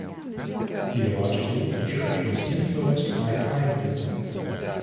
Theologically, the church was influenced by pietism.